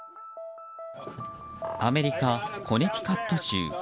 アメリカ・コネティカット州。